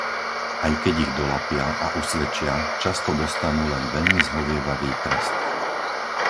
Aj keď ich dolapia a usvedčia, často dostanú len veľmi zhovievavý trest.